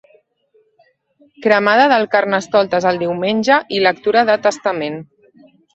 Cremada del Carnestoltes el diumenge, i lectura de testament.